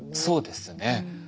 そうですね。